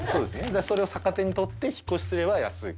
だからそれを逆手に取って引っ越しすれば安い。